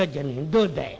どうだい？」。